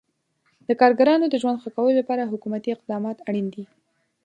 د کارګرانو د ژوند ښه کولو لپاره حکومتي اقدامات اړین دي.